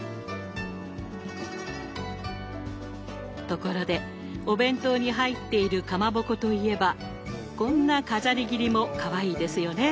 ところでお弁当に入っているかまぼこといえばこんな飾り切りもかわいいですよね。